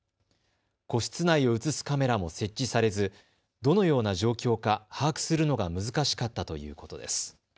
個室内を写すカメラも設置されずどのような状況か把握するのが難しかったということです。